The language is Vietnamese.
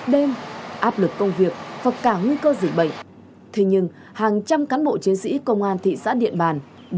đã gác lại các cán bộ chiến sĩ công an xã điện bàn